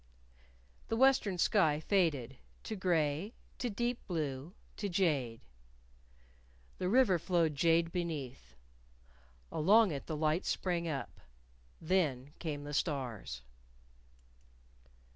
The western sky faded to gray, to deep blue, to jade. The river flowed jade beneath. Along it the lights sprang up. Then came the stars.